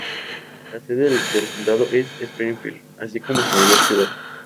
La sede del condado es Springfield, así como su mayor ciudad.